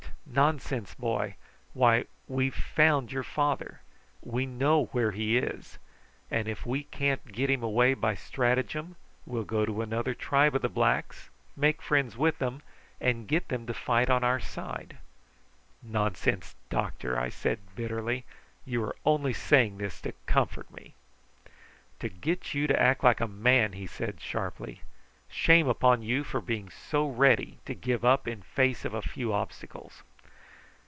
Nonsense, boy! Why, we've found your father. We know where he is; and if we can't get him away by stratagem, we'll go to another tribe of the blacks, make friends with them, and get them to fight on our side." "Nonsense, doctor!" I said bitterly. "You are only saying this to comfort me." "To get you to act like a man," he said sharply. "Shame upon you for being so ready to give up in face of a few obstacles!"